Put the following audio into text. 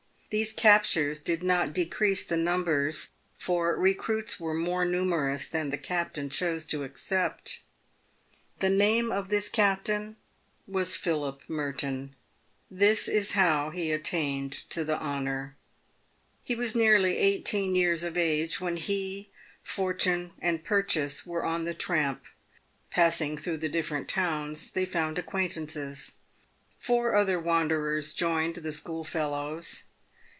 These captures did not decrease the numbers, for recruits were more numerous than the captain chose to accept. The name of this captain was Philip Merton. This is how he attained to the honour. He was nearly eighteen years of age when he, Fortune, and Purchase were on the tramp. Passing through the different towns they found acquaintances. Pour other wanderers joined the schoolfellows.